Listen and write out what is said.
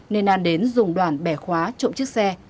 nên an đến dùng đoàn bẻ khóa trộm chiếc xe